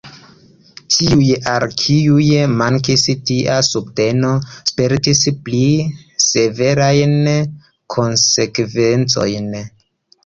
Tiuj, al kiuj mankis tia subteno, spertis pli severajn konsekvencojn.